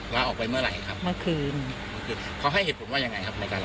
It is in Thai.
ลาออกไปเมื่อไหร่ครับเมื่อคืนเขาให้เหตุผลว่ายังไงครับ